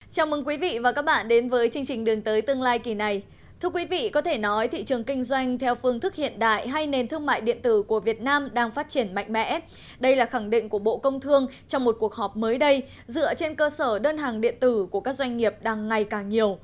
cơ sở đơn hàng điện tử của các doanh nghiệp đang ngày càng nhiều